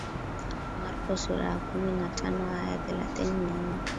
Marko sura ya kumi na tano aya ya thelathini na nne